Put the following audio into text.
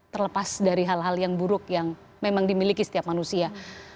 terlepas dari hal hal yang buruk yang memang dimiliki setiap manusia